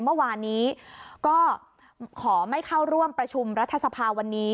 เมื่อวานนี้ก็ขอไม่เข้าร่วมประชุมรัฐสภาวันนี้